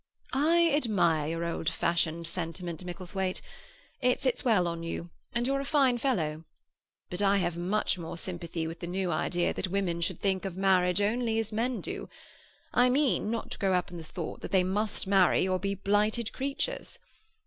"I admire your old fashioned sentiment, Micklethwaite. It sits well on you, and you're a fine fellow. But I have much more sympathy with the new idea that women should think of marriage only as men do—I mean, not to grow up in the thought that they must marry or be blighted creatures.